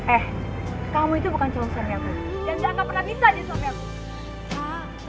eh kamu itu bukan calon suami aku dan jangan pernah bisa jadi suami aku